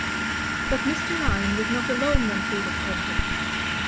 But Mr. Lyon was not alone when Felix entered.